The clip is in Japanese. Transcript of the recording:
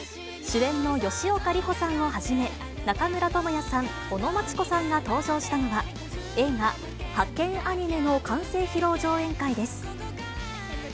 主演の吉岡里帆さんをはじめ、中村倫也さん、尾野真千子さんが登場したのは、映画、ハケンアニメ！の完成披露上映会です。